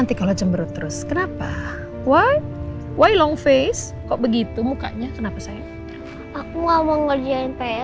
sih kalau cemberut terus kenapa why why long face kok begitu mukanya kenapa saya